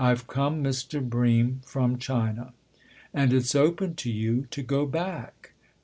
" I've come, Mr. Bream, from China." 11 And it's open to you to go back